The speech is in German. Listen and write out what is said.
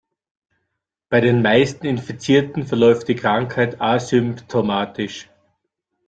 Bei den meisten Infizierten verläuft die Krankheit asymptomatisch.